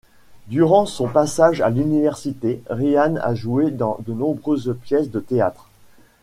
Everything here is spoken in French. Durant son passage à l'université, Ryan a joué dans de nombreuses pièces de théâtre.